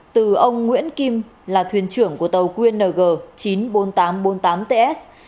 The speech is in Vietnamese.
từ ông nguyễn kim là thuyền trưởng của tàu qng chín mươi bốn nghìn tám trăm bốn mươi tám ts